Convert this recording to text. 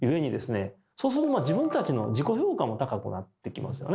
そうすると自分たちの自己評価も高くなってきますよね。